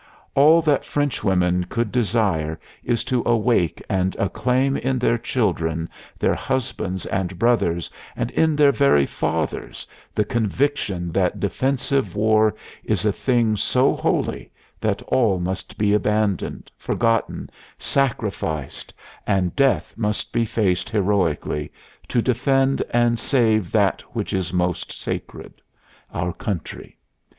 All that Frenchwomen could desire is to awake and acclaim in their children, their husbands and brothers, and in their very fathers, the conviction that defensive war is a thing so holy that all must be abandoned, forgotten, sacrificed, and death must be faced heroically to defend and save that which is most sacred ... our country....